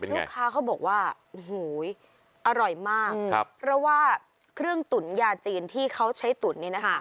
ลูกค้าเขาบอกว่าโอ้โหอร่อยมากครับเพราะว่าเครื่องตุ๋นยาจีนที่เขาใช้ตุ๋นเนี่ยนะคะ